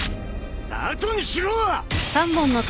後にしろ！